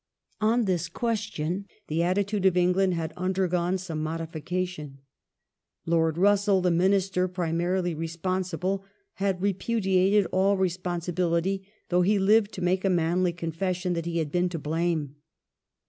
On this question the attitude of England had undergone some modification. Lord Russell, the Minister primarily responsible, had repudiated all responsibility, though he lived to make a manly confession that he had been to blame.